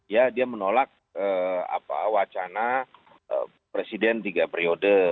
ya dia menolak wacana presiden tiga periode